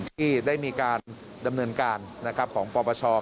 ที่ได้ยังมีการดำเนินการบุคคลและดีเอสไอ